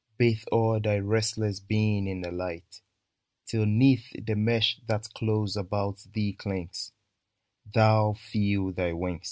Bathe all thy restless being in the light ; Till 'neath the mesh that close about thee clings Thou feel thy wings